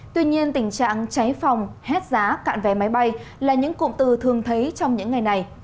tuy nhiên tình trạng cháy phòng hết giá cạn vé máy bay là những cụm từ thường thấy trong những ngày này